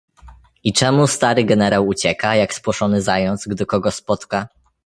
"I czemu stary generał ucieka, jak spłoszony zając, gdy kogo spotka?"